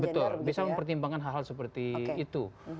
betul bisa mempertimbangkan hal hal seperti itu